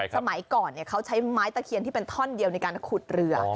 สมัยก่อนเขาใช้ไม้ตะเคียนที่เป็นท่อนเดียวในการขุดเรือ